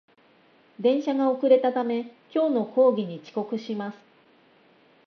電車が遅れたため、今日の講義に遅刻します